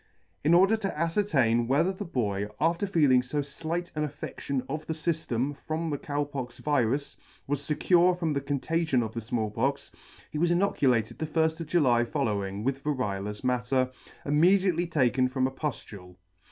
In order to afcertain whether the boy, after feeling fo flight an affedtion of the fyflem from the Cow Pox virus, was fecure from the contagion of the Small Pox, he was inoculated the lfl: of July following with variolous matter, immediately taken from a puftule.